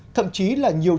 thậm chí là nhiều trạm